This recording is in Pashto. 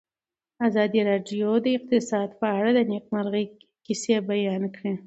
ازادي راډیو د اقتصاد په اړه د نېکمرغۍ کیسې بیان کړې.